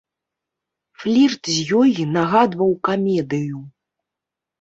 Флірт з ёй нагадваў камедыю.